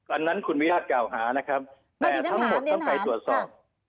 อันนั้นคุณวิราชกล่าวหานะครับแต่ทั้งหมดต้องไปตรวจสอบ